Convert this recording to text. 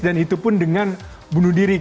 dan itu pun dengan bunuh diri